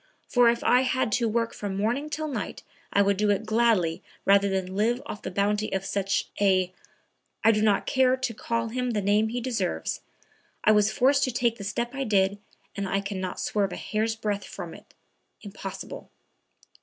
For if I had to work from morning till night I would do it gladly rather than live off the bounty of such a, I do not dare to call him by the name he deserves, I was forced to take the step I did and I can not swerve a hair's breadth from it; impossible."